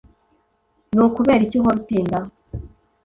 Ni ukubera iki uhora utinda?